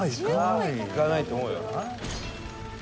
いかないと思うよ。